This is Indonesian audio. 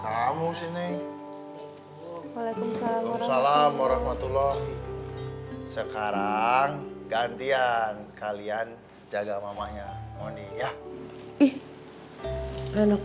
hai waalaikumsalam waalaikumsalam warahmatullah sekarang gantian kalian jaga mamanya ya ih enak